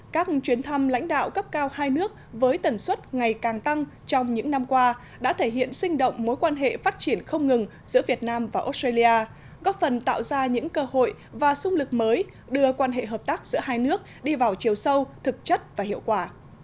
các chuyến thăm lãnh đạo cấp cao hai nước với tần suất ngày càng tăng trong những năm qua đã thể hiện sinh động mối quan hệ phát triển không ngừng giữa việt nam và australia góp phần tạo ra những cơ hội và sung lực mới đưa quan hệ hợp tác giữa hai nước đi vào chiều sâu thực chất và hiệu quả